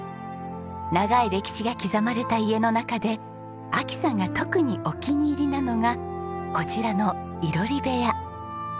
長い歴史が刻まれた家の中で亜紀さんが特にお気に入りなのがこちらの囲炉裏部屋。